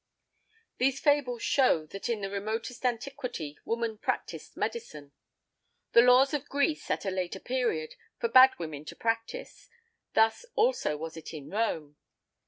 These fables show that in the remotest antiquity woman practised medicine. The laws of Greece, at a later period, forbad women to practise; thus, also, was it in Rome.